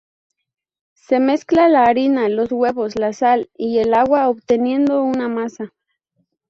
Se mezcla la harina, los huevos, la sal y el agua obteniendo una masa.